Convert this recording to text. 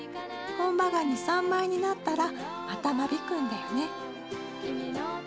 本葉が２３枚になったらまた間引くんだよね。